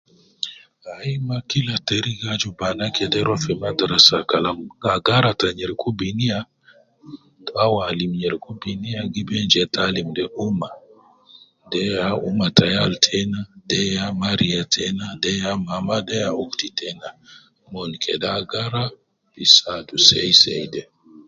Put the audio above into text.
Aiii, ma kila teriga aju bana kede rua fi madrasa kalam agara ta nyereku binia au alim nyereku binia giben je ta alim de umma, de ya uma ta yal tena, de ya mariya tena, de ya mama, de ya ukhti tena, mon kede agara, bi saadu sei sei de